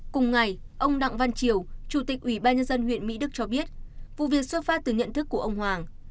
cùng ngày ông đặng văn triều chủ tịch ủy ban nhân dân huyện mỹ đức cho biết vụ việc xuất phát từ nhận thức của ông hoàng